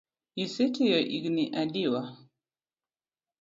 Ise tiyo igni adiwa?